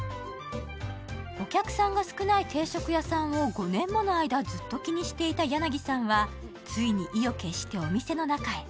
お客さんが少ない定食屋さんを５年もの間ずっと気にしていたヤナギさんは、ついに意を決してお店の中へ。